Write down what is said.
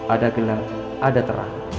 ada gelap ada terang